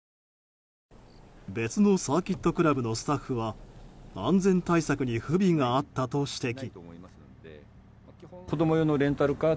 別のサーキットクラブのスタッフは安全対策に不備があったと指摘。